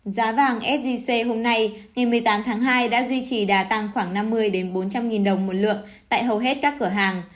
giá vàng sgc hôm nay ngày một mươi tám tháng hai đã duy trì đà tăng khoảng năm mươi bốn trăm linh nghìn đồng một lượng tại hầu hết các cửa hàng